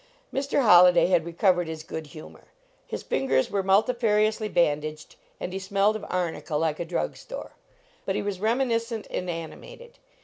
Mr. Holliday had recovered his good humor. His fingers were multifariously bandaged and he smelled of arnica like a drug store. But he was reminiscent and animated.